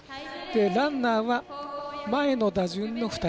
ランナーは前の打順の２人。